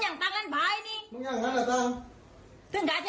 ต้องนี่ต้องเห็นมันความตัวชัดนี่หนูต้องเกลียว่าร้อยใช้ได้แล้ว